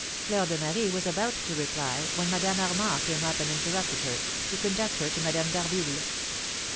Fleur de Marie was about to reply, when Madame Armand came up and interrupted her, to conduct her to Madame d'Harville.